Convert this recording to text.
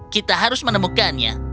kita harus menemukannya